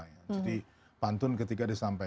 jadi pantun ketika disampaikan